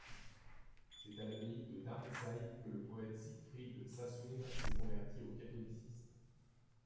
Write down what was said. C'est à l'abbaye de Downside que le poète Siegfried Sassoon s'est converti au catholicisme.